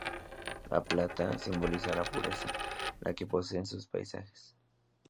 La plata, simboliza la pureza, la que poseen sus paisajes.